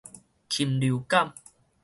禽流感